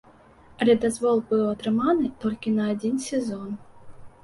Але дазвол быў атрыманы толькі на адзін сезон.